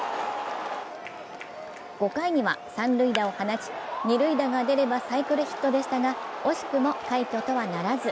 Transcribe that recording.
５回には三塁打を放ち、二塁打が出ればサイクルヒットでしたが惜しくも快挙とはならず。